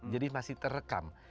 jadi masih terekam